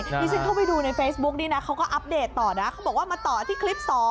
ที่ฉันเข้าไปดูในเฟซบุ๊กนี้นะเขาก็อัปเดตต่อนะเขาบอกว่ามาต่อที่คลิป๒